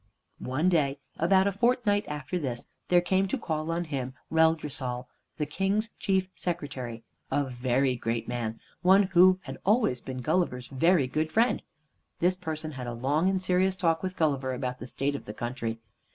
One day, about a fortnight after this, there came to call on him, Reldresal, the King's Chief Secretary, a very great man, one who had always been Gulliver's very good friend. This person had a long and serious talk with Gulliver about the state of the country.